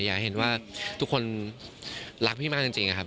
อยากให้เห็นว่าทุกคนรักพี่มากจริงนะครับ